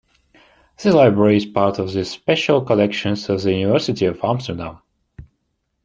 The library is part of the special collections of the University of Amsterdam.